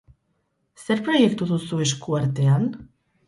Zer proiektu duzu esku artean?